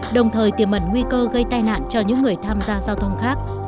đồng thời tiềm ẩn nguy cơ gây tai nạn cho những người tham gia giao thông khác